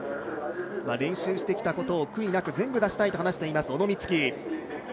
練習してきたことを悔いなく全部出したいと話している小野光希。